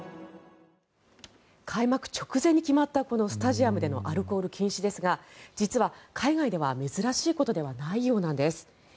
開幕直前に決まったスタジアムでのアルコール禁止ですが実は、海外では珍しいことではないようなんです。